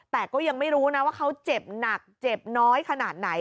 แต่ก็ยังไม่รู้นะว่าเขาเจ็บหนักเจ็บน้อยขนาดไหน